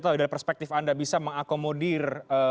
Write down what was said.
tahu dari perspektif anda bisa mengakomodir